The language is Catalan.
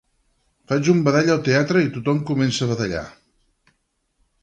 Faig un badall al teatre i tothom comença a badallar